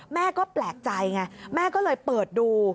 แม่ก็แปลกใจไงแม่ก็เลยเปิดดู